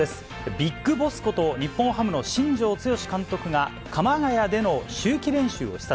ビッグボスこと、日本ハムの新庄剛志監督が、鎌ケ谷での秋季練習を視察。